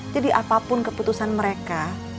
jadi apapun keputusan mereka